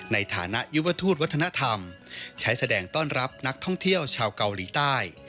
ในฐานะยุวทูตวัฒนธรรมใช้แสดงต้อนรับนักท่องเที่ยวชาวเกาหลีใต้